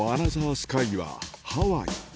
スカイは、ハワイ。